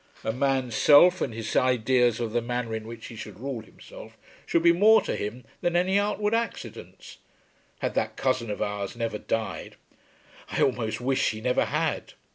A man's self, and his ideas of the manner in which he should rule himself, should be more to him than any outward accidents. Had that cousin of ours never died " "I almost wish he never had."